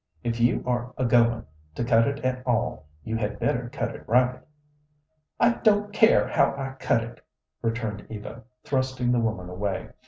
"If you are a goin' to cut it at all, you had better cut it right." "I don't care how I cut it," returned Eva, thrusting the woman away.